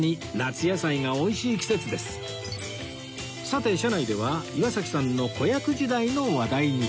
さて車内では岩崎さんの子役時代の話題に